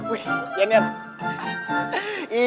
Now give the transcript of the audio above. wih yang ini